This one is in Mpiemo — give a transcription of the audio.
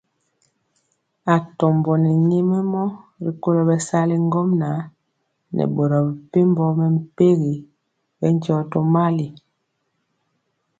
Atɔmbɔ nɛ nyɛmemɔ rikolo bɛsali ŋgomnaŋ nɛ boro mepempɔ mɛmpegi bɛndiɔ tomali.